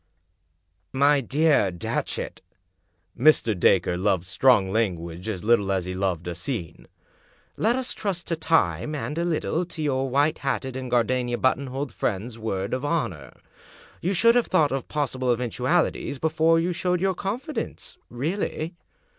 "" My dear Datchet "— Mr. Dacre loved strong language as little as he loved a scene^" let us trust to time and, a little, to your white hatted and gardenia buttonholed friend's word of honor. You should have thought of pos sible eventualities before you showed your confidence — really.